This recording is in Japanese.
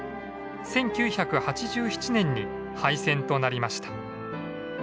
１９８７年に廃線となりました。